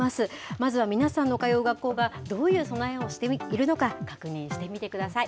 まずは皆さんの通う学校がどういう備えをしているのか、確認してみてください。